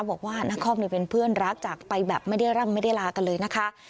บอกว่านักคอมเป็นเพื่อนรักจากไปแบบไม่ได้ร่ำไม่ได้ลากันเลยนะคะ